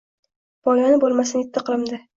Poyoni bo’lmasin yetti iqlimda…